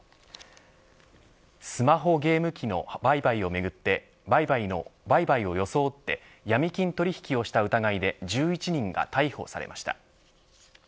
スマホやゲーム機の売買を装ってヤミ金取引をした疑いで１１人が逮捕されました。